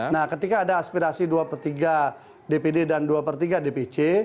nah ketika ada aspirasi dua per tiga dpd dan dua per tiga dpc